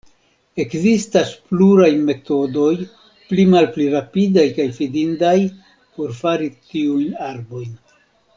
Ekzistas pluraj metodoj, pli malpli rapidaj kaj fidindaj, por fari tiujn arbojn.